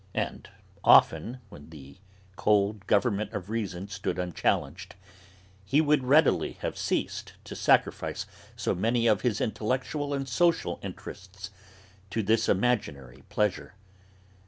And often, when the cold government of reason stood unchallenged, he would readily have ceased to sacrifice so many of his intellectual and social interests to this imaginary pleasure.